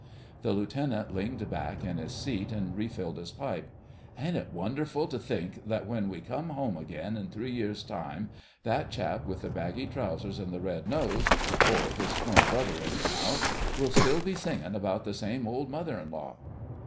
The Lieutenant leaned back in his seat and refilled his pipe. "Isn't it wonderful to think that when we come home again in three years' time that chap with the baggy trousers and red nose—or his twin brother, anyhow—will still be singing about the same old mother in law!"